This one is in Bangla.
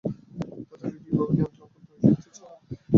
ধাতুকে কীভাবে নিয়ন্ত্রণ করতে হয় শিখতে চাও?